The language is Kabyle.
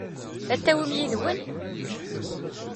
Ad t-tawim yid-wen?